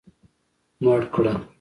مړ کړه.